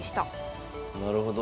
なるほど。